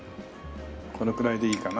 このくらいでいいかな。